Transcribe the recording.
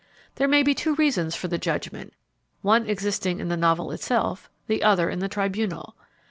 There may be two reasons for the judgment, one existing in the novel itself, the other in the tribunal.